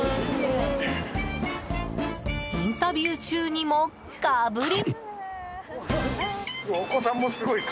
インタビュー中にも、がぶり。